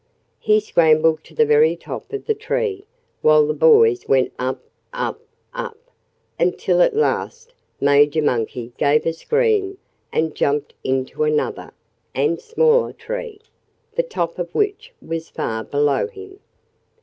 He scrambled to the very top of the tree, while the boys went up, up, up until at last Major Monkey gave a scream and jumped into another and smaller tree, the top of which was far below him.